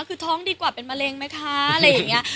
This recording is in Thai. คือท้องดีกว่าเป็นมะเร็งไหมคะอะไรอย่างนี้